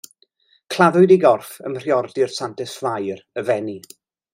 Claddwyd ei gorff ym Mhriordy'r Santes Fair, y Fenni.